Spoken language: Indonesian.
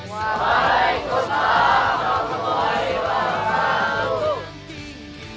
waalaikumsalam warahmatullahi wabarakatuh